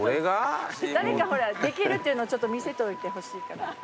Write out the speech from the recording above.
誰かできるっていうのをちょっと見せといてほしいから。